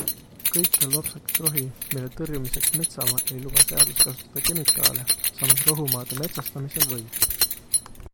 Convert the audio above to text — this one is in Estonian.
Kõikjal lopsakas rohi, mille tõrjumiseks metsamaal ei luba seadus kasutada kemikaale, samas rohumaade metsastamisel võib.